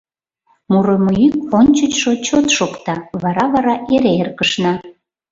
Мурымо йӱк ончычшо чот шокта, вара-вара эре эркышна.